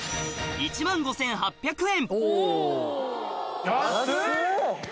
１万５８００円。